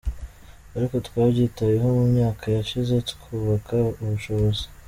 Ariko twabyitayeho mu myaka yashize twubaka ubushobozi”.